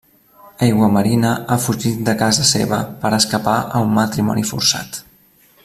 Aiguamarina ha fugit de casa seva per escapar a un matrimoni forçat.